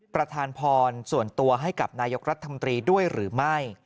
ประธานพรส่วนตัวให้กับนายกรัฐมนตรีด้วยหรือไม่